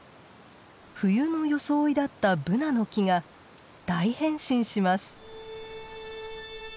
冬の装いだったブナの木が大変身します。